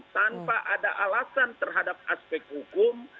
tanpa ada alasan terhadap aspek hukum